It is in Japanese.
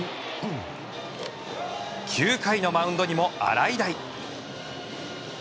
９回のマウンドにも洗平。